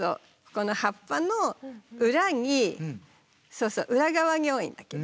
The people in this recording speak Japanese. この葉っぱの裏に裏側に多いんだけど。